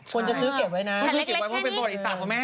ควรจะซื้อเก็บไว้นะ